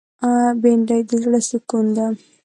بېنډۍ د زړه سکون ده